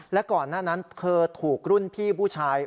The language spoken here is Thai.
และก่อนหน้านั้นเธอถูกรุ่นพี่ผู้ชาย